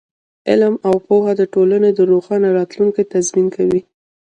علم او پوهه د ټولنې د روښانه راتلونکي تضمین کوي.